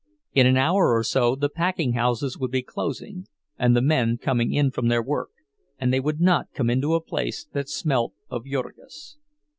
In an hour or so the packing houses would be closing and the men coming in from their work; and they would not come into a place that smelt of Jurgis.